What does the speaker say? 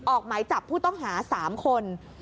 ออกหมายจับผู้ต้องหา๓คน